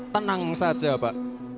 tenang saja pak